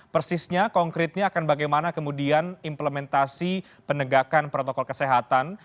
persisnya konkretnya akan bagaimana kemudian implementasi penegakan protokol kesehatan